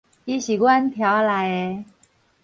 伊是阮祧仔內的